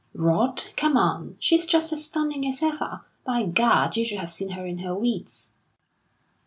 "Rot come on! She's just as stunning as ever. By Gad, you should have seen her in her weeds!"